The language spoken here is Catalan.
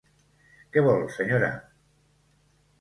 Què vol, senyora?